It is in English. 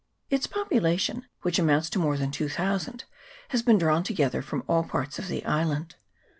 Its population, which amounts to more than 2000, has been drawn together from all parts of the island.